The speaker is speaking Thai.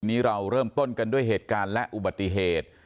นี้เราเริ่มต้นกันด้วยเหตุการณ์และอุบัติเหตุ